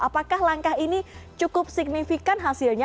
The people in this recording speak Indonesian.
apakah langkah ini cukup signifikan hasilnya